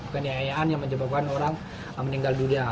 kenyayaan yang menyebabkan orang meninggal dunia